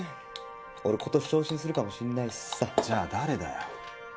俺今年昇進するかもしんないしさじゃあ誰だよ？